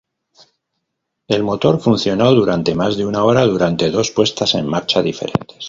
El motor funcionó durante más de una hora durante dos puestas en marcha diferentes.